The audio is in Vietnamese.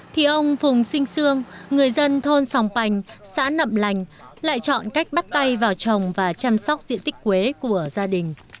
thì ông phùng sinh sương người dân thôn sòng bành xã nậm lành lại chọn cách bắt tay vào trồng và chăm sóc diện tích quế của gia đình